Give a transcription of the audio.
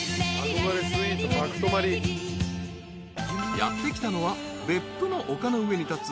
［やって来たのは別府の丘の上に立つ］